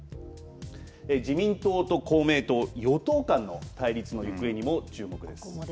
自民党と公明党与党間の対立の行方にも注目です。